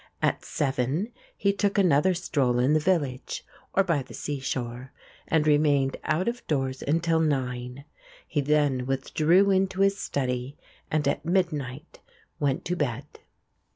At seven he took another stroll in the village or by the seashore and remained out of doors until nine. He then withdrew into his study, and at midnight went to bed.